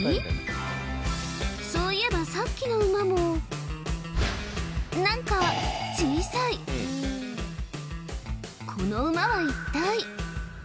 そういえばさっきの馬も何か小さいこの馬は一体？